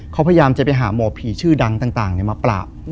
เขาพยายามจะไปหาหมอผีชื่อดังต่างมาปราบ